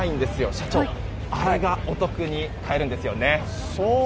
社長、アレがお得に買えるんですよね。